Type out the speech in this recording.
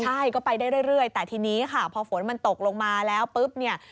ใช่ก็ไปได้เรื่อยแต่ทีนี้ค่ะพอฝนมันตกลงมาแล้วปุ๊บเนี่ย